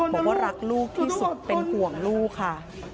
บอกว่ารักลูกที่สุดเป็นห่วงลูกค่ะ